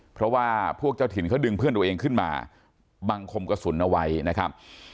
เพราะว่าพวกเจ้าถิ่นเขาดึงเพื่อนตัวเองขึ้นมาบังคมกระสุนเอาไว้นะครับ